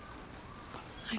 はい。